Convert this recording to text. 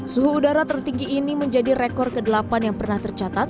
suhu udara tertinggi ini menjadi rekor ke delapan yang pernah tercatat